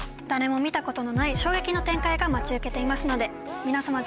誰も見たことのない衝撃の展開が待ち受けていますので皆様